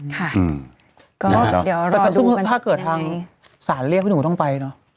แต่ถ้าเกิดทางสารเรียกก็ต้องไปเนอะ